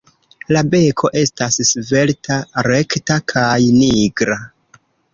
La beko estas svelta, rekta kaj nigra.